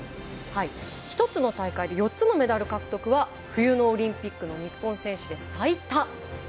１つの大会で４つのメダル獲得は冬のオリンピックの日本選手で最多。